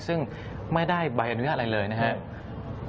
ซึ่งไม่ได้ใบอนุญาตอะไรเลยนะครับ